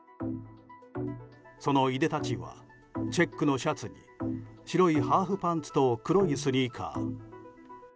そのいでたちはチェックのシャツに白いハーフパンツと黒いスニーカー。